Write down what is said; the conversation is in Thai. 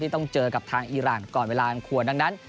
ต้องเจอกับทางอีรานก่อนเวลาอันควรดังนั้น